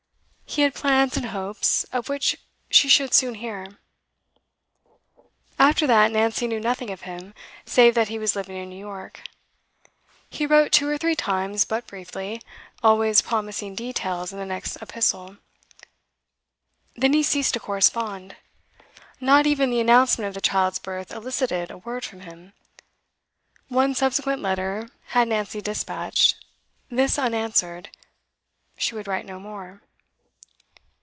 He had plans and hopes, of which she should soon hear. After that, Nancy knew nothing of him, save that he was living in New York. He wrote two or three times, but briefly, always promising details in the next epistle. Then he ceased to correspond. Not even the announcement of the child's birth elicited a word from him. One subsequent letter had Nancy despatched; this unanswered, she would write no more.